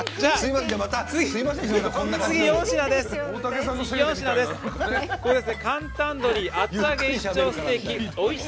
次、４品です。